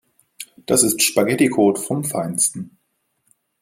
Das ist Spaghetticode vom Feinsten.